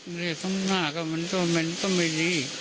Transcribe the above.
ต้องเลือกทั้งมากมันก็ไม่ดี